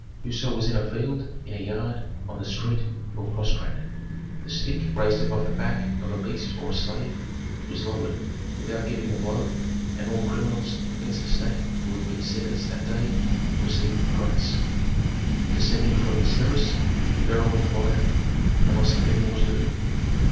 Whoso was in a field, in a yard, on the street, fell prostrate; the stick, raised above the back of a beast or a slave, was lowered without giving the blow, and all criminals against the state who had been sentenced that day received grace. Descending from the terrace the pharaoh inquired, "Have I something more to do?"